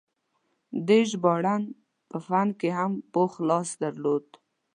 د ژباړې په فن کې یې هم پوخ لاس درلود.